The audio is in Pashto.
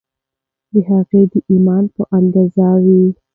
د هغه د ایمان په اندازه وي